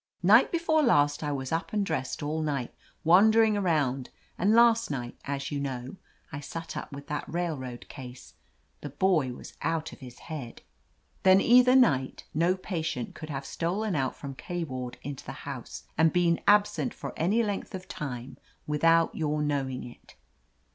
Night before last I was up and dressed all night, wan dering around, and last night, as you know, I sat up with that railroad case. The boy was out of his head." "Then, either night, no patient could have stolen out from K ward into the house and been absent for any length of time without your knowing it?"